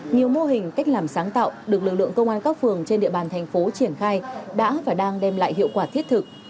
nhiều mô hình cách làm sáng tạo được lực lượng công an các phường trên địa bàn thành phố triển khai đã và đang đem lại hiệu quả thiết thực